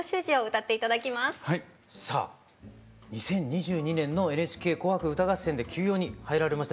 ２０２２年の「ＮＨＫ紅白歌合戦」で休養に入られました